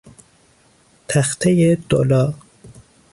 تختهی دولا